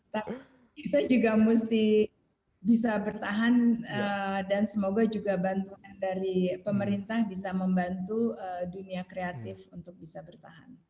tapi kita juga mesti bisa bertahan dan semoga juga bantuan dari pemerintah bisa membantu dunia kreatif untuk bisa bertahan